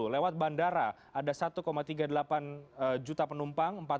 lewat bandara ada satu tiga puluh delapan juta penumpang